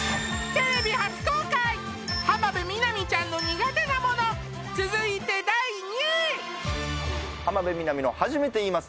テレビ初公開浜辺美波ちゃんの苦手なもの続いて第２位浜辺美波の初めて言います